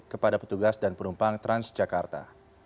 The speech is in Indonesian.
kepada petugas dan penumpang transjakarta